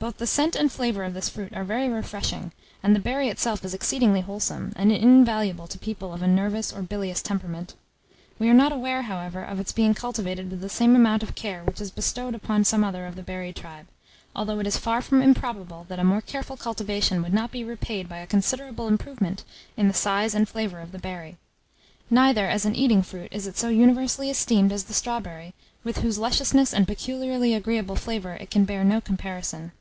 Both the scent and flavour of this fruit are very refreshing, and the berry itself is exceedingly wholesome, and invaluable to people of a nervous or bilious temperament. We are not aware, however, of its being cultivated with the same amount of care which is bestowed upon some other of the berry tribe, although it is far from improbable that a more careful cultivation would not be repaid by a considerable improvement in the size and flavour of the berry; neither, as an eating fruit, is it so universally esteemed as the strawberry, with whose lusciousness and peculiarly agreeable flavour it can bear no comparison.